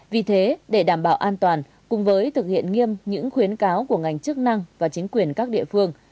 vì thế để đảm bảo an toàn cùng với thực hiện nghiêm những khuyến cáo của ngành chức năng và chính quyền các địa phương